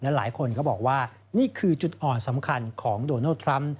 หลายคนก็บอกว่านี่คือจุดอ่อนสำคัญของโดนัลดทรัมป์